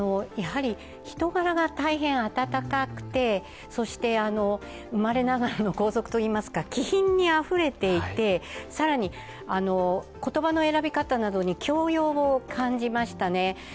やはり人柄が大変温かくて、そして生まれながらの皇族といいますか気品にあふれていて、更に言葉の選び方などに教養を感じましたね。